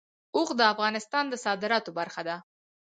اوښ د افغانستان د صادراتو برخه ده.